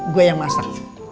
gue yang masak